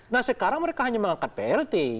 nah sekarang mereka hanya mengangkat plt